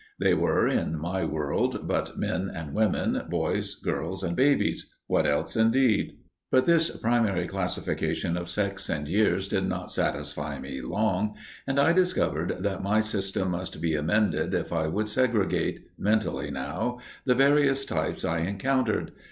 There were, in my world, but men and women, boys, girls and babies what else, indeed? But this primary classification of sex and years did not satisfy me long, and I discovered that my system must be amended if I would segregate mentally now the various types I encountered.